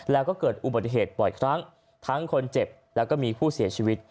แล้วก็เกิดอุบัติเหตุบ่อยครั้งทั้งคนเจ็บแล้วก็มีผู้เสียชีวิต